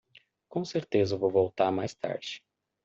Com certeza vou voltar mais tarde.